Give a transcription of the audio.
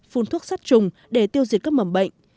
phun thuốc sát trùng để tiêu diệt các mầm bệnh